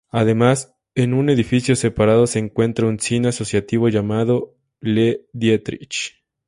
Además, en un edificio separado se encuentra un cine asociativo llamado "Le Dietrich".